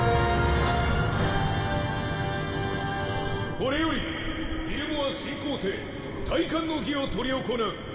これよりギルモア新皇帝戴冠の儀を執り行う！